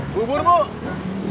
buuuur yang hijau